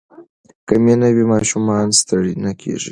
که مینه وي ماشومان ستړي نه کېږي.